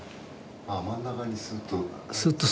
真ん中にすっと。